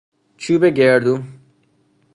چوب گردو